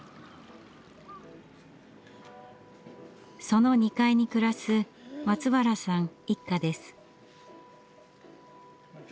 その２階に暮らす松原さん一家です。